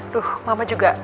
duh mama juga